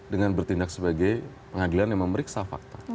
dengan bertindak sebagai pengadilan yang memeriksa fakta